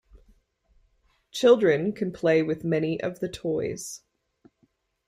Children can play with many of the toys.